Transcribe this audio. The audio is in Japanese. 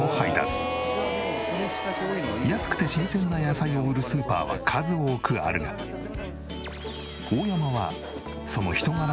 安くて新鮮な野菜を売るスーパーは数多くあるがオオヤマはその人柄で顧客を確保できている。